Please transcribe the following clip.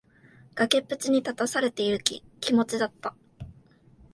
崖っぷちに立たされている気持ちだった。